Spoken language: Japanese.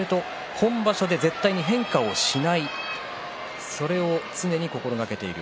本場所で絶対に変化をしないそれを常に心がけている。